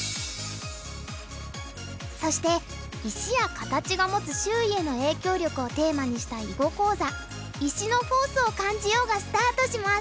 そして石や形が持つ周囲への影響力をテーマにした囲碁講座「石のフォースを感じよう！」がスタートします！